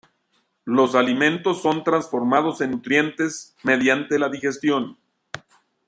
Los alimentos son transformados en nutrientes mediante la digestión.